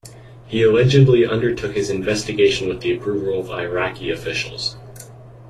He allegedly undertook his investigation with the approval of Iraqi officials.